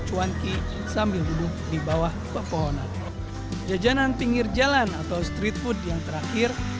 cuanki sambil duduk di bawah pepohonan jajanan pinggir jalan atau street food yang terakhir